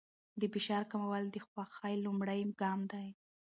د فشار کمول د خوښۍ لومړی ګام دی.